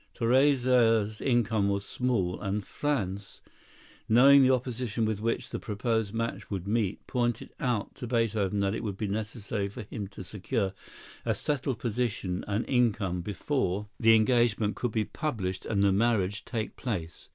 Therese's income was small, and Franz, knowing the opposition with which the proposed match would meet, pointed out to Beethoven that it would be necessary for him to secure a settled position and income before the engagement could be published and the marriage take place.